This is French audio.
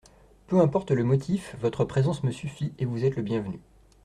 Peu importe le motif, votre présence me suffit et vous êtes le bienvenu.